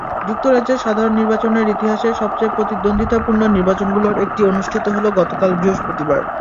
যুক্তরাজ্যের সাধারণ নির্বাচনের ইতিহাসে সবচেয়ে প্রতিদ্বন্দ্বিতাপূর্ণ নির্বাচনগুলোর একটি অনুষ্ঠিত হলো গতকাল বৃহস্পতিবার।